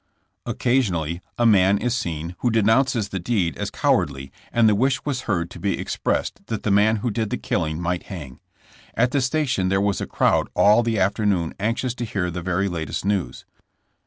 Occasionally a man is seen who denounces the deed as cowardly, and the wish was heard to be expressed that the man who did the killing might hang. At the station there was a crowd all the afternoon anx ious to hear the very latest news.